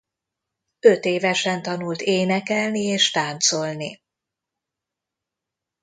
Ötévesen tanult énekelni és táncolni.